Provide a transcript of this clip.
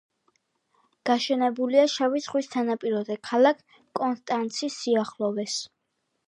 გაშენებულია შავი ზღვის სანაპიროზე, ქალაქ კონსტანცის სიახლოვეს.